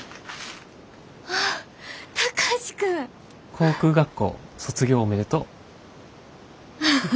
航空学校卒業おめでとう。